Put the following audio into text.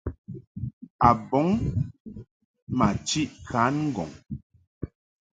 A bɔŋ ma chiʼ kan ŋgɔŋ.